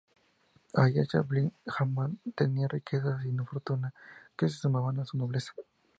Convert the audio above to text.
Aisa Bint Ahmad tenía riquezas y fortuna que se sumaban a su nobleza.